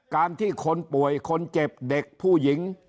การที่คนป่วยคนเจ็บเด็กผู้หญิง